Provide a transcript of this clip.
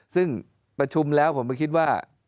ซึ่งประชุมแล้วผมก็คิดว่า